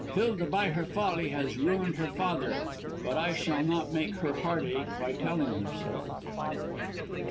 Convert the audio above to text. Hilda, by her folly, has ruined her father, but I shall not make her heart ache by telling her so."